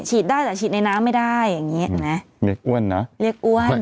ฉีดได้แต่ฉีดในน้ำไม่ได้อย่างงี้เห็นไหมเรียกอ้วนนะเรียกอ้วน